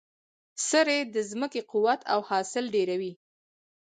سرې د ځمکې قوت او حاصل ډیروي.